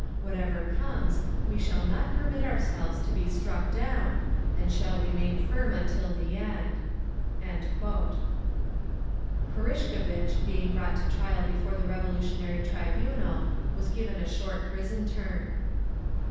Whatever comes, we shall not permit ourselves to be struck down, and shall remain firm until the end." Purishkevitch, being brought to trial before the Revolutionary Tribunal, was given a short prison term….